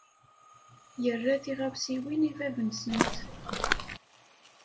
Yerra tiɣawsiwin i bab-nsent.